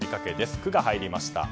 「ク」が入りました。